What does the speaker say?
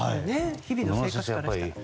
日々の生活からしたら。